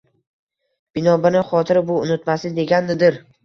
Binobarin, Xotira, bu – unutmaslik, deganidir